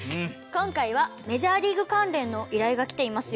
今回はメジャーリーグ関連の依頼が来ていますよ。